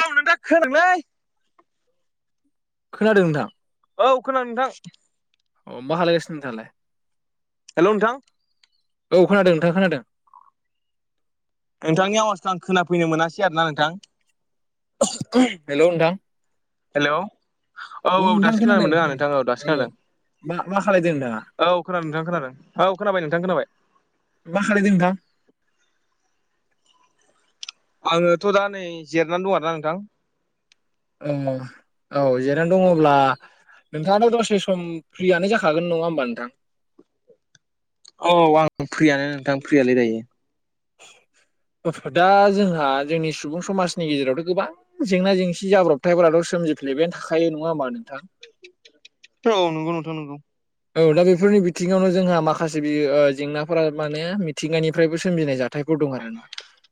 मावनो दा खोदोंलै खोनादों नोंथां? औ खोनादों नोंथां। अ मा खालायगासिन नोंथाङालाय हेलौ नोंथां। औ खोनादों, नोंथा खोनादों। नोंथांनि आवाजखौ आं खोनाफैनो मोनासै आरो ना नोंथां। हेलौ नोंथां हेलौ औ औ नोंथां दासोखोनानो खोनादों मोनदों आं खोनादों नोंथां औ दासोखोनादों मा मा खालायदों नोंथाङा? औ खोनादों नोंथां खोनादों, औ खोनाबाय नोंथां खोनाबाय। मा खालायदों नोंथां? आङोथ' दा नै जेरायनानै दं आरोना नोंथां ए औ जिरनानै दङब्ला नोंथाङाथ' दसे सम फ्रियानो जाखागोन। नङा होमबा नोंथां? औ आं फ्रियानो नोंथां फ्रियालाय दायो [inaudible] दा जोंहा जोंनि सुबुं समाजनि गेजेरावथ' गोबां जेंना जेंसि जाब्रबथायफोराथ' सोमजिफ्लेलायबायानो थाखायो। नङा होमबा नोंथां? औ नंगौ नोंथां नंगौ औ दा बेफोरनि बिथिङावनो जोंहा माखासे बियो ओ जेंनाफोरा माने मिथिंगानिफ्रायबो सोमजिनाय जा थायफोर दं आरो ना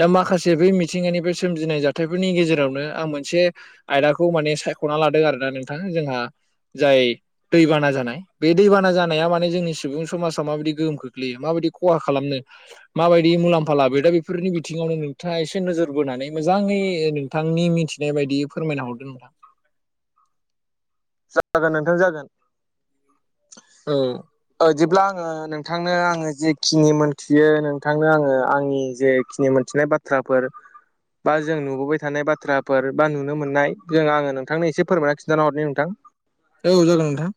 दा माखासे बै मिथिंगानि बे सोमजिनाय जाथायफोरनि गेजेरावनो आं मोनसे आयदाखौ माने सायख'ना लादों आरोना नोंथां जोंहा जाय दैबाना जानाय बे दैबाना जानाया माने जोंनि सुबुं समाजा माबायदि गोहोम खोख्लैयो माबायदि खहा खालामनो माबायदि मुलाम्फा लाबो दा बेफोरनि बिथिङावनो नोंथाङा एसे नोजोर बोनानै मोजाङै नोंथांनि मिथिनाय बायदि फोरमायना हरदो नोंथां जागोन नोंथां जागोन औ जेब्ला आङो नोंथांनो आङो जेखिनि मोनथियो नोंथांनो आङो आंनि जे खिनि मोनथिनाय बाथ्राफोर बा जों नुबोबाय थानाय बाथ्राफोर बा नुनो मोननाय जों आङो नोंथांनो एसे फोरमायना खिन्थाना हरनि नोंथां औ जागोन नोंथां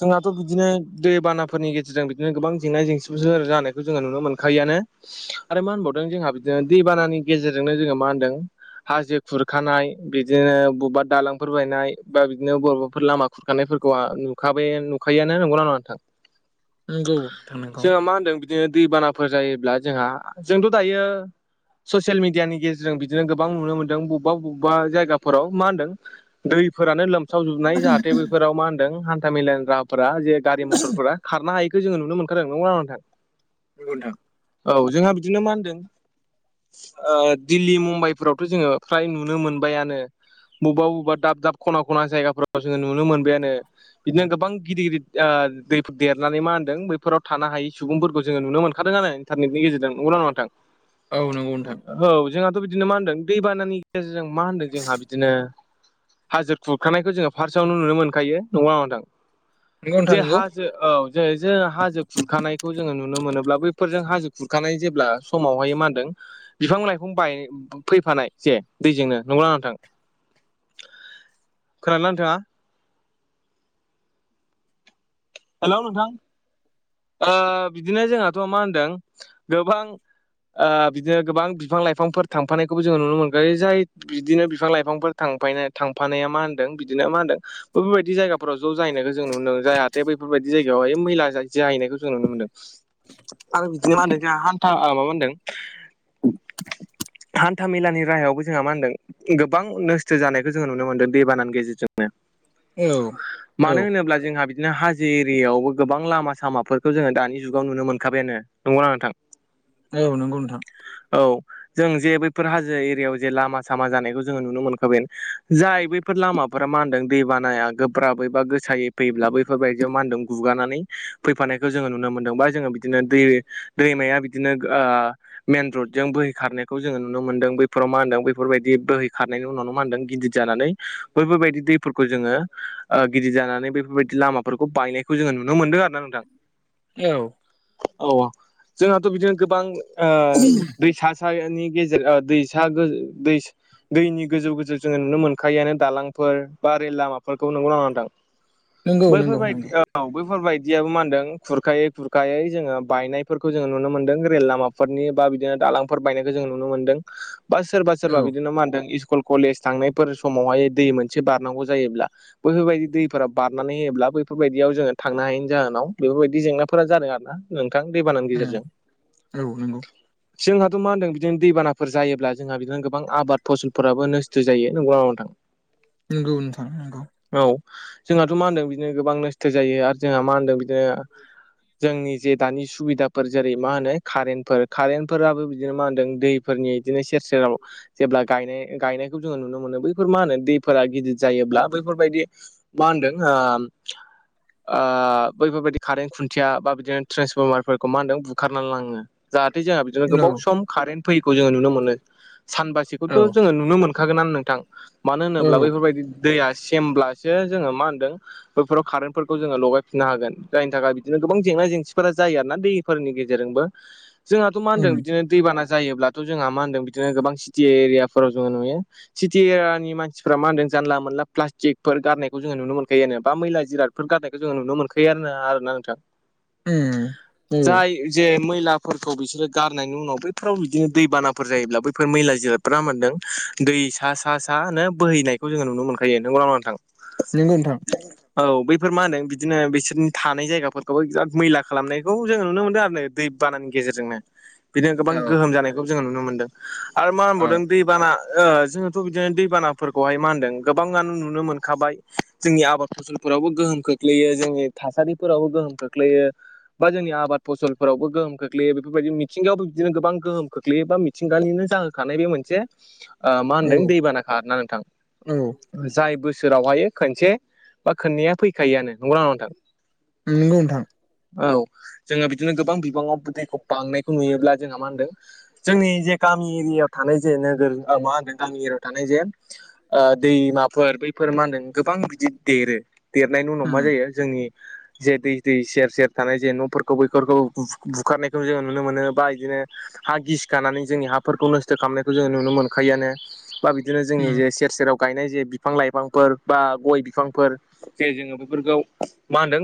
जोंहाथ' बिदिनो दैबानाफोरनि गेजेरजों बिदिनो गोबां जेंना जेंसिफोर जानायखौ जोङो नुनो मोनखायोआनो आरो मा होनबावदों जोंहा बिदिनो दैबानानि गेजेरजोंनो जोंङो मा होनदों हाजो खुरखानाय बिदिनो बबेबा दालांफोर बायनाय बा बिदिनो बरमाफोर लामा खुरखानायफोरखौ आ नुखाबाय नुखायोआनो नंगौना नङा नोंथां नंगौ नोंथां नंगौ जोंहा मा होनदों बिदिनो दैबानाफोर जायोब्ला जोंहा जोंथ' दायो ससियेल मिडियानि गेजेरजों बिदिनो गोबां नुनो मोनदों बबेबा बबेबा जायगाफोराव मा होनदों दैफोरानो लोमसावजोबनाय जाहाथे बेफोराव मा होनदों हान्था मेलानि राहाफोरा जे गारि मथरफोरा खारनो हायैखौ जोङो नुनो मोनखादों नंगौना नङा नोंथां नंगौ नोंथां औ जोंहा बिदिनो मा होनदों दिल्ली मुम्बाइफोरावथ' जोङो फ्राय नुनो मोनबायानो बबेबा बबेबा दाब दाब खना खना जायगाफ्राव जोङो नुनो मोनबायानो बिदिनो गोबां गिदिर गिदिर दैफोर देरनानै मा होनदों बैफोराव थानो हायै सुबुंफोरखौ जोङो नुनो मोनखादों आरो इन्टारनेटनि गेजेरजों नंगौना नङा नोंथां औ नंगौ नोंथां। औ जोंहाथ' बिदिनो मा होनदों दैबानानि गेजेरजों मा होनदों जोंहा बिदिनो हाजो खुरखानायखौ जोङो फार्स्टआवनो नुनो मोनखायो नंगौना नङा नंगौ नोंथां नोंथां जे नंगौ हाजो औ ज जो हाजो खुरखानायखौ जोङो नुनो मोनोब्ला बैफोरजों हाजो खुरखानाय जेब्ला समावहाय मा होनदों बिफां लाइफां बाय फैफानाय जे दैजोंनो नंगौना नङा नोंथां [unintelligible] खोनादोंना नोंथाङा हेल' नोंथां बिदिनो जोंहाथ मा होनदों गोबां बिदिनो गोबां बिफां लाइफांफोर थांफानायखौबो जोङो नुनो मोनगोन जाय बिदिनो बिफां लाइफांफोर थां थांफानाया मा होनदों बिदिनो मा होनदों बेफोरबायदि जायगाफोराव ज' जाहनायखौ जों नुनो मोनो जाय दे बैफोरबायाददि जायगायावहाय मैला जाहैनायखौ जों नुनो मोनदों आरो बिदिनो मा होनदों जोंहा हान्था माबा होनदों हान्था मेलानि राहायावबो जोंहा मा होनदों गोबां नस्थ' जानायखौ जोङो नुनो मोनदों दैबानानि गेजेरजों औ औ मानो होनोब्ला जोंहा बिदिनो हाजो एरियायावबो गोबां लामा सामाफोरखौ जोङो दानि जुगाव नुनो मोनखाबायानो नंगौना नोंथां? औ नंगौ नोंथां औ जों जे बैफोर हाजो एरियायाव जे लामा सामा जानायखौ जोङो नुनो मोनखाबोन जाय बैफोर बेफोर लामाफोरा मा होनदों दै बानाया गोब्राबैबा गोसायै फैब्लाबो बेफोरबायदियाव मा होनदों गुगानानै फैफानायखौ जोङो नुनो मोनदों बा जोङो बिदिनो दै दैमाया बिदिनो ओ मेन रडजों बोहै खारनायखौ जोङो नुनो मोन्दों बैफोराव मा होनदों बैफोरबायदि बोहै खारनायनि उनावनो मा होनदों गिदिर जानानै बैफोरबायदि दैफोरखौ जोङो गिदिर जानानै बेफोरबायदि लामाखौ बे फोरफोरखौ बायनायखौ जोङो नुनो मोनदों आरो ना नोंथां औ औ जोंहाथ' बिदिनो गोबां दैसा गेजेर दैसा गो दै दैनि गोजौ गोजौ जोङो नुनो मोनखायआानो दालांफोर बा रेल लामाफोरखौ नोंगौ नोंगौना नङा नोंथां नंगौ नंगौ बैफोरबायदि नंगौ औ बेैफोरबायायदियाबो मा होनदों खुरखायै खुरखायै जोङो बायनायफोरखौ जोङो नुनो मोन्दों रेल लामा नि बा बिदिनो दालांफोर बायनायखौ जों नुनो मोनदों बा सोरबा सोरबा औ बिदिनो मा होनदों स्कुल कलेज थांनायफोर समावहाय दै मोनसे बारनांगौ जायोब्ला बैफोरबायदि दैफोरा बारनानै हो अब्ला बैफोरबायदियाव जोङो थांनो हायैनि जाहोनाव बेफोरबायदि जेंनाफोरा जादों आरो ना नोंथां दैबानानि उम गेजेरजों औ नंगौ जोंहाथ' मा होनदों बिदिनो दैबानाफोर जायोब्ला जोंहा बिदिनो गोबां आबाद फसलफोराबो नस्थ' जायो नंगौ नङा नोंथां [inaudible] नंगौ नोंथां नंगौ औ जोंहाथ' मा होनदों बिदिनो गोबां नोस्थो जायो आरो जोंहा मा होनदों बिदिनो जोंनि जे दानि सुबिदाफोर जेरै मा होनो कारेन्टफोर कारेेनटफोराबो बिदिनो मा होनदों दै फोरनि इदिनो सेर सेराव जेब्ला गायनाय गायनायखौ जोंङो नुनो मोनो बैफोर मा होनो दैफोरा गिदिर जायोब्ला बैफोरबायदि मा होनदों ओम ओ बैफोरबायदि कारेन्ट खुन्थिया बा बिदिनो ट्रेन्सफरमारफोरखौ मा होनदों बुखारनान लांङो जाहाथे जोंहा बिदिनो औ गोबाव सम कारेन्ट फैयैखौ जोंङो नुनो मोनो सानबासेखौथ' औ जोंङो नुनो मोन खागोन आनो नोंथां मानो औ होनोब्ला बैफोरबायदि दैया सेमब्लासो जोंङो मा होनदों बैफोराव कारेन्टफोरखौ जोंङो लगायफिननो हागोन जायनि थाखाय बिदिनो गोबां जेंना जेंसिफोरा जायो आरोना दैफोरनि गेजेरजोंबो जोंहाथ' मा होनदों उम बिदिनो दैबाना जायोब्लाथ' जोंहा मा होनदों बिदिनो गोबां सिटि एरियाफोराव जोंङो नुयो सिटि एरियानि मानसिफोरा मा होनदों जानला मोनला प्लास्टिकफोर गारनायखौ जोंङो नुनो मोनखायो आनो बा मैला जिरादफोर गारनायखौ जोंङो नुनो मोनखायोआनो आरो ना नोंथां उम औ जाय जे मैलाफोरखौ बिसोरो गारनायनि उनाव बैफोराव बिदिनो दैबानाफोर जायोब्ला बैफोर मैला जिराद ब्रा मोनदों दै सा सा सा नो बोहैनायखौ जोंङो नुनो मोनखायो नोंगौ ना नंङा नोंथां नोंगौ ओनथां। औ बैफोर मा होनो बिदिनो बिसोरनि थानाय जायगाफोरखौबो बिराद मैला खालामनायखौ जोंङो नुनो मोनदों आरो नो दै बाननि गेजेरजोंनो बिदिनो गोबां औ गोहोम जानायखौ जोंङो नुनो मोनदों आरो मा औ होनबावदों दै बाना ओ जोंङोथ' बिदिनो दैबानाफोरखौहाय मा होनदों गोबांङानो नुनो मोनखाबाय जोंनि आबाद फसलफोरावबो गोहोम खोख्लैयो जोंनि थासारिफोरावबो गोहोम खोख्लैयो बा जोंनि आबाद फसलफोरावबो गोहोम खोख्लैयो बेफोरबायदिनो मिथिंगायावबो बिदिनो गोबां गोहोम खोख्लैयो बा मि मिथिंगानिनो जाहोखानाय बे मोनसे ओ मा औ होनदों दैबानाखा आरो ना नोंथां औ जाय बोसोराव हायो खोनसे बा खोननैया फैखायोआनो नंगौना नंङा नोंथां नोंगौ ओनथां औ जोंङो बिदिनो गोबां बिबांङाव दैखौ बांनायखौ नुयोब्ला जोंहा मा होनदों जोंनि जे गामि एरियायाव थानाय जे नोगोर ओ मा होनदों गामि एरियायाव थानाय जे ओ दैमाफोर बैफोर मा होनदों गोबां बिदि देरो देरनायनि उनाव मा उम जायो जोंनि जे दै दै सेर सेर थानाय जे न'फोरखौ बैफोरखौ बु बुखारनायखौ जोंङो नुनो मोनो बा इदिनो हा गिसिखानानै जोंनि हाफोरखौ नोस्थो खालामनायखौ जोंङो नुनो मोनखायोआनो बा बिदिनो जोंनि उम जे सेर सेराव गायनाय जे बिफां लाइफांफोर बा गय बिफांफोर जे जोंङो बेफोरखौ मा होनदों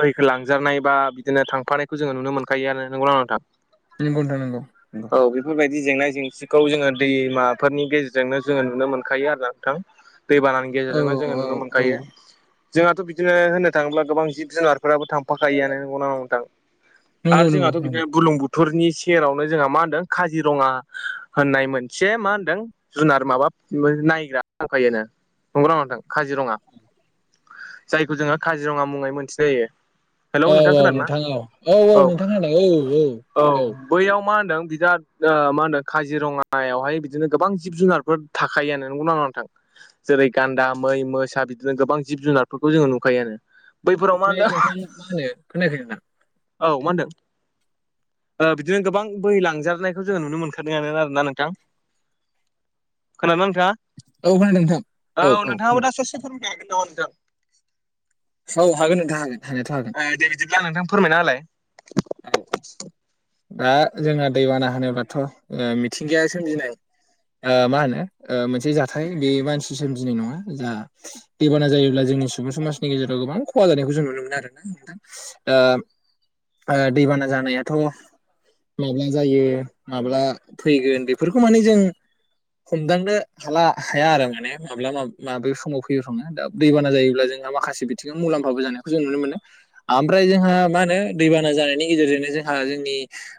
बैहैखो लांजानाय बा बिदिनो थांफानायखौ जोंङो नुनो मोनखायो आनो नोंगौ ना नंङा नोंथां नोंगौ ओनथां नोंगौ औ बेफोरबायदि जेंना जेंसिखौ जोंङो दैमाफोरनि गेजेरजोंनो जोंङो नुनो मोनखायो आरोना नोंथां दै बानानि औ गेजेरजोंनो जोंङो नुनो औ मोनखायो जोंहाथ' बिदिनो होननो थांङोब्ला गोबां जिब जुनारफोराबो थां फाखायोआ नो नोंगौना नंङा नोंथां नंगौ आरो नंगौ जोंहाथ' नंगौ बिदिनो बुलुं बु थुरनि सेरावनो जोंहा मा होनदों काजिरंङा होननाय मोनसे मा होनदों जुनार माबा नायग्रा दंखायोनो नंगौना नंङा नोंथां? काजिरंङा जायखौ जोंङो काजिरंङा मुंङै मोनथि जायो। हेलौ औ नोंथां औ खोनादों ना औ औ नोंथां खोनादों औ औ बैयाव मा होनदों बिराद ओ मा होनदों काजिरंङायावहाय बिदिनो गोबां जिब जुनारफोर थाखायो आनो नोंगौना नंङा नोंथां जेरै गान्दा मै मोसा बिदिनो गोबां जिब जुनारफोरखौ जोंङो नुखायो आनो। ओमफ्राय नोंथां मा होनो खोनायाखै नोंथां? औ मा होनदों ओ बिदिनो गोबां बैहै लांजारनायखौ जोंङो नुनो मोनखादों आरोना नोंथां खोनादोंना नोंथांङा? औ खोनादों नोंथां औ औ खोना [unintelligible] औ हागोन नोंथां हागोन हानायाथ' हागोन। ओ दे बिदिब्ल नोंथां फोरमायनाहोलाय। औ औ दा जोंहा दैबाना होनोबाथ' ओ मिथिंगाया सोमजिनाय ओ मा होनो ओ मोनसे जाथाय बे मानसि सोमजिनाय नङा जा। दैेबाना जायोब्ला जोंनि सुबुं समाजनि गेजेराव गोबां खहा जानायखौ जों नुनो मोनो आरोना ओ ओ दैबाना जानायाथ' माब्ला जायो माब्ला फैगोन बेफोरखौ माने जों। हमदांनो हाला हाया आरो माने माब्ला मा माबे समाव फैयो थङो दा दैबाना जायोब्ला जोंहा माखासे बिथिङाव मुलाम्फाबो जानायखौ जों नुनो मोनो आमफ्राय जोंहा मा होनो। दैबाना जानायनि गेजेरजोंनो जोंहा जोंनि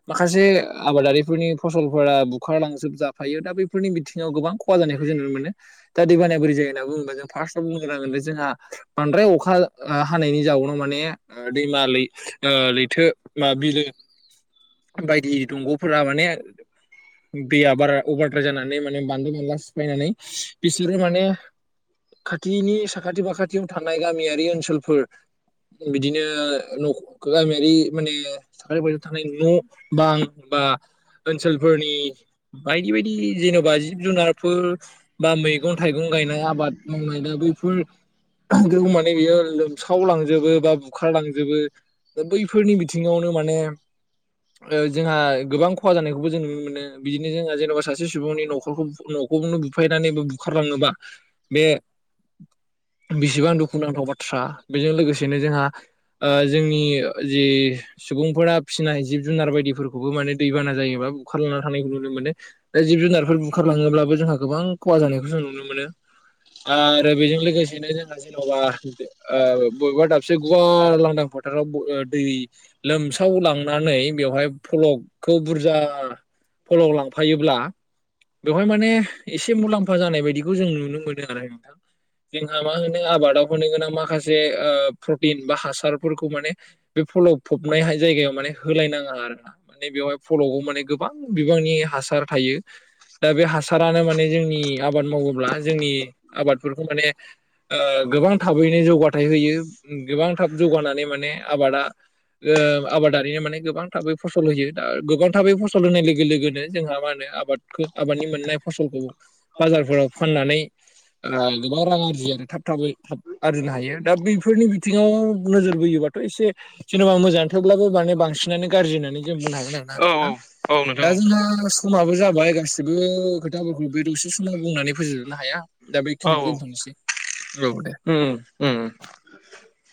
माखासे आबादारिफोरनि फसलफोरा बुखारलांजोब जाफायो दा बैफोरनि बिथिङाव गोबां ख खहा जानायखौ जों नुनो मोनो दा दैबानाया बोरै जायो होनना बुङो बा होनोबा जों फार्स्टआव बुंग्रोनांगोनदि जोंहा। बांद्राय अखा आ हानायनि जाउनाव माने ओ दैमालै ओ लैथो मा बिलो बायदि दंग'फोरा माने। दैया बारा अभारद्राय जानानै माने बानदो बानला सिफायनानै बिसोरो माने। खाथिनि साखाथि फाखाथियाव थानाय गामियारि ओनसोलफोर। बिदिनो न'खौ गामियारि माने हाग्राबारियाव थानाय न' बां बा। ओनसोलफोरनि बायदि बायदि जेन'बा जिब जुनारफोर बा मैगं थाइगं गायनाय आबाद मावनाय दा बैफोर। गौ माने बियो लोमस्राव लांजोबो बा बुखार लांजोबो। दा बैफोरनि बिथिङावनो माने। ओ जोंहा गोबां खहा जानायखौबो जों नुनो मोनो बिदिनो जोंहा जेन'बा सासे सुबुंनि न'खरखौ बुङो। गावनो बुफायनानै बा बुखारलाङोबा बे। बिसिबां दुखुनांथाव बाथ्रा बेजों लोगोसेनो जोंहा ओ जोंनि ओ जि सुबुंफोरा फिसिनाय जिब जुनार बायदिफोरखौबो माने दैबाना जायोबा बुखारलांना थानायखौ नुनो मोनो। दा जिब जुनारफोर बुखारलाङोब्लाबो जोंहा गोबां खहा जानायखौ जों नुनो मोनो। आरो बेजों लोगोसेनो जोंङो जेन'बा ओ बेबा दाबसे गुवार लांदां फोथाराव बो बो दै लोमसाव लांनानै बेवहाय फलकखौ बुरजा। फल' लांफायोब्ला। बेवहाय माने एसे मुलाम्फा जानाय बायदिखौ जों नुनो मोनो आरो नोंथां। जोंहा मा होनो आबादाव होनो गोनां माखासे ओ प्रटिन बा हासारफोरखौ माने। बे फल फबनाहाय जायगायाव माने होलायनाङा आरो ना। माने बेवहाय फल'बो माने गोबां बिबांनि हासार थायो। दा बे हासारानो माने जोंनि आबाद मावोब्ला जोंनि आबादफोरखौ माने। ओ गोबां थाबैनो जौगाथायाइ होयो गोबां थाब जौगानानै माने आबादा। ओ आबादारिनो माने गोबां थाबै फसल होयो दा गोबां थाबै फसल होनाय लोगो लोगोनो जोंहा मा होनो आबाद। खो आबादनि मोननाय फसलखौ बाजारफोराव फाननानै। आ गोबां रां आरजियो आरो थाब थाबै थाब आरजिनो हायो दा बेफोरनि बिथिङाव नोजोर बोयोबा। एसे जेनेबा मोजाङानो थोबब्लाबो माने बांसिनानो गाज्रि होननानै जों बुंनो हागोन। औ नोंथां औ दा नोंथां औ जोंहा। समाबो जाबाय गासिबो खोथाफोरखौ बे दसे समाव बुंनानै फोजोबजोबनो हाया। दा औ बेखिनियाव औ दोनथ'नोसै औ दे